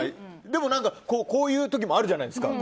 でも何か、こういう時もあるじゃないですか。